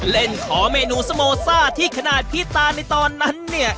เล่นขอเมนูสโมซ่าที่ขนาดพี่ตาในตอนนั้นเนี่ย